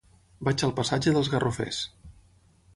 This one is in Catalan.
Vaig al passatge dels Garrofers.